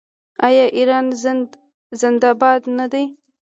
آیا ایران زنده باد نه دی؟